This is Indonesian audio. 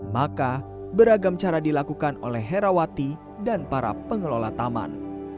maka beragam cara dilakukan oleh herawati dan para pengelola taman